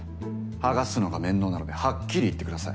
剥がすのが面倒なのではっきり言ってください。